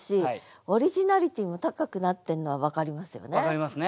分かりますね。